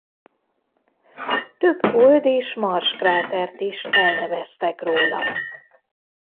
Több Hold- és Mars-krátert is elneveztek róla.